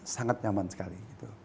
sangat nyaman sekali